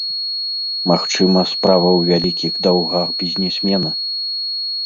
Магчыма, справа ў вялікіх даўгах бізнесмена.